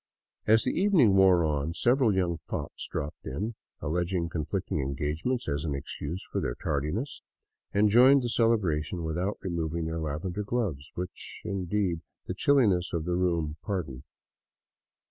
As the evening wore on, several young fops dropped in, alleging conflicting engagements as an excuse for their tardiness, and joined the celebration without removing their lavender gloves, which, indeed, the chilliness of the room pardoned.